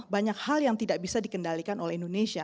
banyak hal yang tidak bisa dikendalikan oleh indonesia